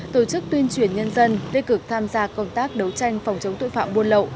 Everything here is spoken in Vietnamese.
tổ chức tuyên truyền nhân dân tích cực tham gia công tác đấu tranh phòng chống tội phạm buôn lậu